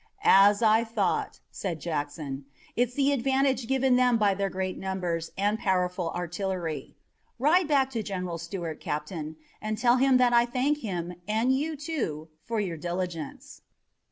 "As I thought," said Jackson. "It's the advantage given them by their great numbers and powerful artillery. Ride back to General Stuart, Captain, and tell him that I thank him, and you, too, for your diligence."